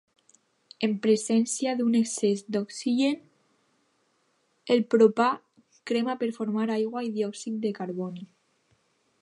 En presència d'un excès d'oxígen, el propà crema per formar aigua i diòxid de carboni.